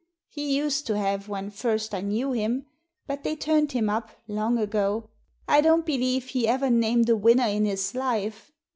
He used to have when first I knew him, but they turned him up — long ago! I don't believe he ever named a winner in his life.